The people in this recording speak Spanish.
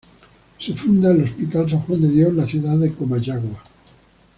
Se funda el Hospital San Juan de Dios en la ciudad de Comayagua.